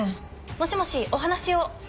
もしもしお話を。